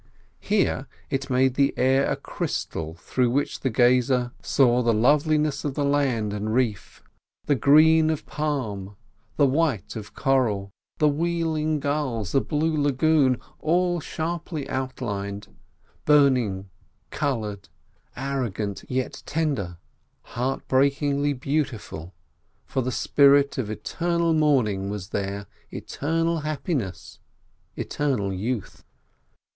Here it made the air a crystal, through which the gazer saw the loveliness of the land and reef, the green of palm, the white of coral, the wheeling gulls, the blue lagoon, all sharply outlined—burning, coloured, arrogant, yet tender—heart breakingly beautiful, for the spirit of eternal morning was here, eternal happiness, eternal youth.